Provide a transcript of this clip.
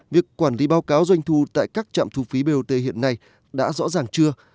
việc quản lý báo cáo doanh thu tại các trạm thu phí bot hiện nay đã rõ ràng chưa